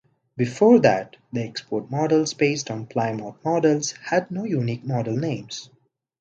Before that, the export models based on Plymouth models had no unique model names.